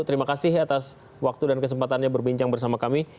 terima kasih atas waktu dan kesempatannya berbincang bersama kami